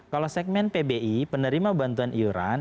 kalau segmen pbi penerima bantuan iuran